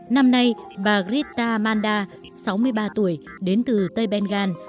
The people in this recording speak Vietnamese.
năm nay bà gritta manda sáu mươi ba tuổi đến từ tây bengal